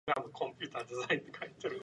One-pot reactions have also been reported.